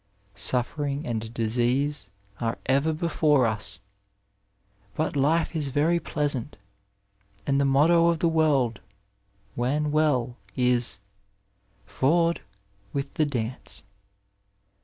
SufEering and disease are ever before us, but liEe is very pleasant ; and the motto of the worid, when well, is " forward with the dance."